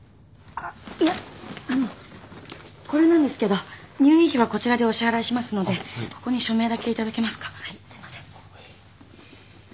あっいやあのこれなんですけど入院費はこちらでお支払いしますのでここに署名だけ頂けますか？